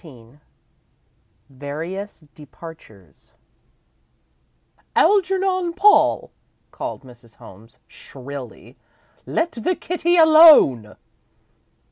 XIX Various Departures "Algernon Paul," called Mrs. Holmes, shrilly, "let the kitty alone!"